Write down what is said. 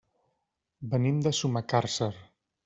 Venim de Sumacàrcer.